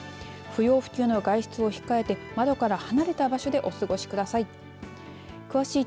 不要不急の外出を控えて窓から離れた場所でお過ごしください。